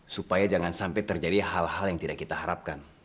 supaya jangan sampai terjadi hal hal yang tidak kita harapkan